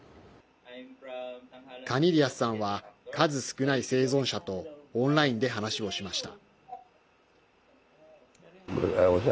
カニリヤスさんは数少ない生存者とオンラインで話をしました。